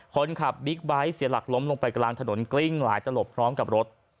คนขับบิ๊กไบท์เสียหลักล้มลงไปกลางถนนกลิ้งหลายตลบพร้อมกับรถ